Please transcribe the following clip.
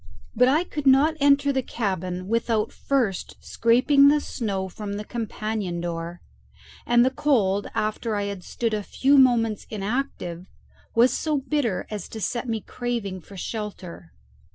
But I could not enter the cabin without first scraping the snow from the companion door; and the cold, after I had stood a few moments inactive, was so bitter as to set me craving for shelter.